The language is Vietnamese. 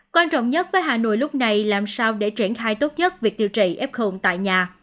quan trọng nhất với hà nội lúc này làm sao để triển khai tốt nhất việc điều trị f tại nhà